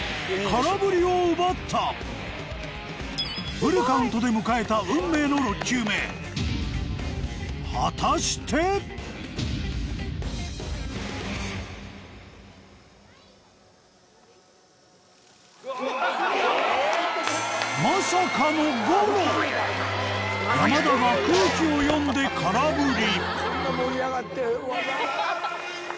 フルカウントで迎えた運命の６球目果たして⁉まさかの山田が空気を読んで空振り